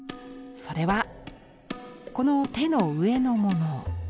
それはこの手の上のもの。